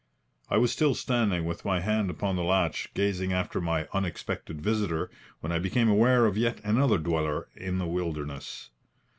I was still standing with my hand upon the latch, gazing after my unexpected visitor, when I became aware of yet another dweller in the wilderness.